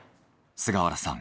菅原さん